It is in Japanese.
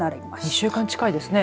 ２週間近いですね。